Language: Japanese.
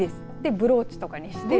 ブローチにして。